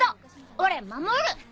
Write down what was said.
俺守る！